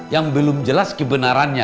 yang belum jelas kebenarannya